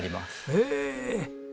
へえ。